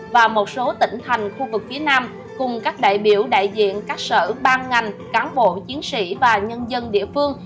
và một số tỉnh thành khu vực phía nam cùng các đại biểu đại diện các sở ban ngành cán bộ chiến sĩ và nhân dân địa phương